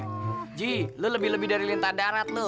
gaji lo lebih lebih dari lintah darat lo